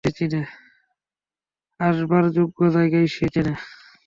আসবার যোগ্য জয়গা সে চেনে।